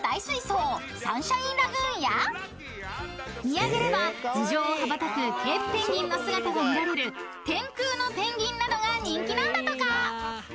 ［見上げれば頭上を羽ばたくケープペンギンの姿が見られる天空のペンギンなどが人気なんだとか］